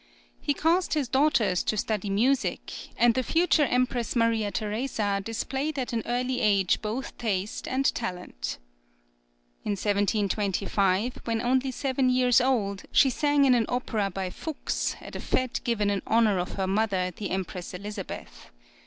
He caused his daughters to study music, and the future Empress Maria Theresa displayed at an early age both taste and talent. In 1725, when only seven years old, she sang in an opera by Fux, at a fête given in honour of her mother, the Empress Elizabeth.